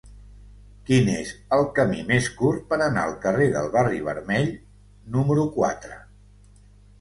Quin és el camí més curt per anar al carrer del Barri Vermell número quatre?